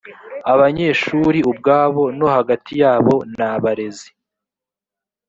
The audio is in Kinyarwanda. abanyeshuri ubwabo no hagati yabo n abarezi